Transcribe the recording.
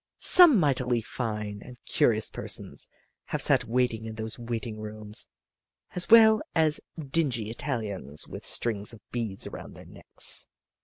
Some mightily fine and curious persons have sat waiting in those waiting rooms, as well as dingy Italians with strings of beads around their necks.